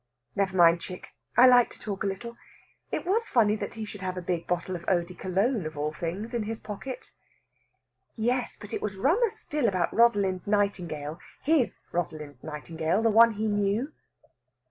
"Never mind, chick! I like to talk a little. It was funny that he should have a big bottle of eau de Cologne, of all things, in his pocket." "Yes, but it was rummer still about Rosalind Nightingale his Rosalind Nightingale, the one he knew."